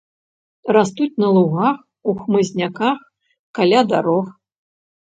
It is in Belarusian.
Растуць на лугах, у хмызняках, каля дарог.